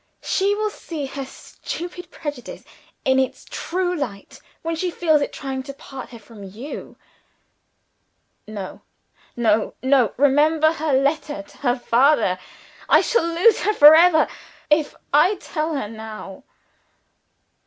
She will see her stupid prejudice in its true light, when she feels it trying to part her from you." "No! no! no! Remember her letter to her father. I shall lose her for ever, if I tell her now!"